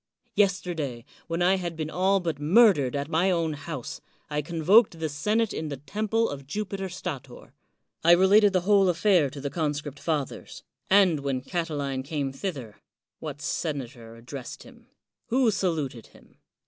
Yes terday, when I had been all but murdered at my own house, I convoked the senate in the temple of Jupiter Stator; I related the whole affair to the conscript fathers; and when Catiline came thither, what senator addressed him? who saluted him